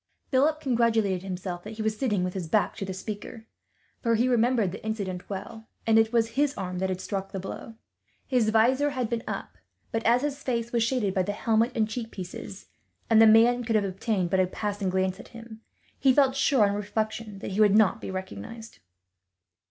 Philip congratulated himself that he was sitting with his back to the speaker, for he remembered the incident well, and it was his arm that had struck the blow. His visor had been up; but as his face was shaded by the helmet and cheek pieces, and the man could have obtained but a passing glance at him, he felt sure, on reflection, that he would not be recognized.